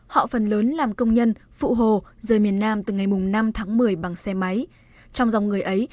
họ phần lớn làm công nhân phụ hồ rời miền nam từ ngày năm tháng một mươi bằng xe máy trong dòng người ấy